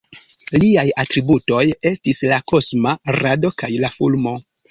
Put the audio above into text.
Liaj atributoj estis la "Kosma Rado" kaj la fulmo.